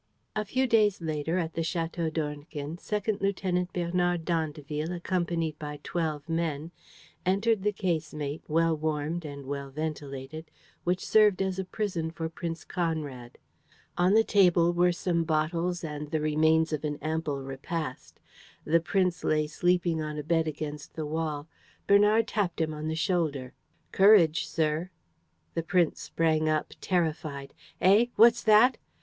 A few days later, at the Château d'Ornequin, Second Lieutenant Bernard d'Andeville, accompanied by twelve men, entered the casemate, well warmed and well ventilated, which served as a prison for Prince Conrad. On the table were some bottles and the remains of an ample repast. The prince lay sleeping on a bed against the wall. Bernard tapped him on the shoulder: "Courage, sir." The prisoner sprang up, terrified: "Eh? What's that?"